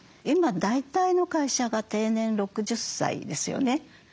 今大体の会社が定年６０歳ですよね。